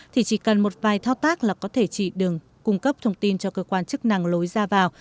thì chỉ cần một vài thao tác là có thể chỉ đường cung cấp thông tin cho cơ quan chức năng lối ra vào